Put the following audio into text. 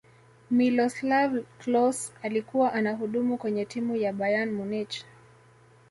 miloslav klose alikuwa anahudumu kwenye timu ya bayern munich